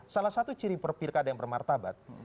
salah satu ciri pilkada yang bermartabat